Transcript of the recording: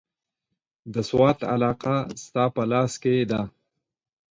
د سوات علاقه ستا په لاس کې ده.